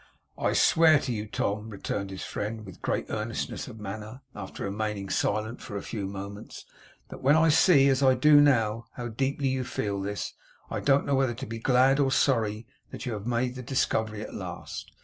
'I swear to you, Tom,' returned his friend, with great earnestness of manner, after remaining silent for a few moments, 'that when I see, as I do now, how deeply you feel this, I don't know whether to be glad or sorry that you have made the discovery at last.